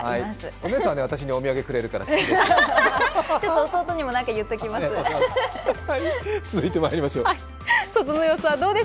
お姉さんは私にお土産くれるから好きです。